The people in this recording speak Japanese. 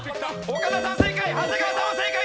岡田さん正解！